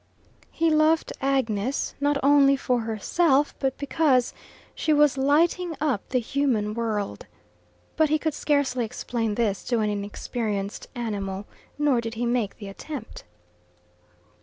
He loved Agnes, not only for herself, but because she was lighting up the human world. But he could scarcely explain this to an inexperienced animal, nor did he make the attempt.